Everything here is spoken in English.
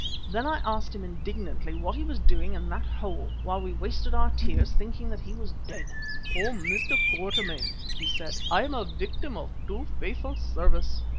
Then I asked him indignantly what he was doing in that hole, while we wasted our tears, thinking that he was dead. "Oh! Mr. Quatermain," he said, "I am a victim of too faithful service.